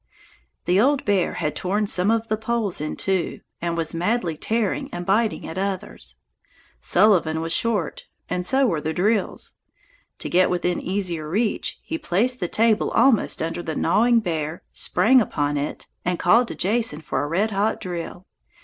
The old bear had torn some of the poles in two and was madly tearing and biting at others. Sullivan was short and so were the drills. To get within easier reach, he placed the table almost under the gnawing bear, sprang upon it, and called to Jason for a red hot drill.